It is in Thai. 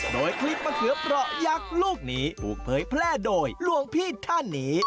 โดยคลิปมะเขือเปราะยักษ์ลูกนี้ถูกเผยแพร่โดยหลวงพี่ท่านนี้